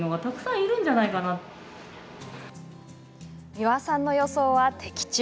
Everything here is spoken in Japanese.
三輪さんの予想は的中。